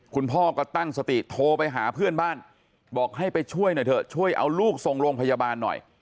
คุณพ่อก็ตั้งสติโทรไปหาเพื่อนบ้านบอกให้ไปช่วยหน่อยเถอะช่วยเอาลูกส่งโรงพยาบาลหน่อย